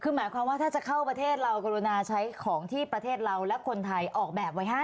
คือหมายความว่าถ้าจะเข้าประเทศเรากรุณาใช้ของที่ประเทศเราและคนไทยออกแบบไว้๕๐